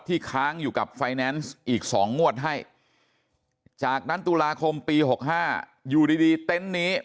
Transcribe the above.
ค้างอยู่กับไฟแนนซ์อีก๒งวดให้จากนั้นตุลาคมปี๖๕อยู่ดีเต็นต์นี้